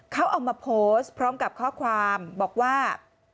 เขาเอามาโพสต์พร้อมกับข้อความบอกว่า